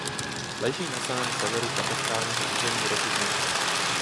Leží na samém severu katastrálního území Rokytnice.